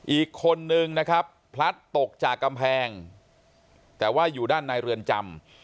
อีกคนนึงนะครับพลัดตกจากกำแพงแต่ว่าอยู่ด้านในเรือนจำ